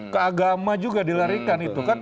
ke agama juga dilarikan itu kan